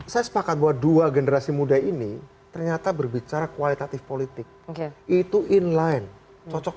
saya sepakat bahwa dua generasi muda ini ternyata berbicara kualitatif politik itu inline cocok